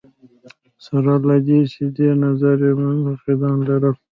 سره له دې چې دې نظریې منتقدان لرل.